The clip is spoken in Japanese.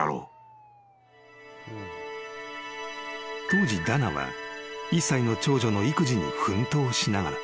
［当時ダナは１歳の長女の育児に奮闘しながら］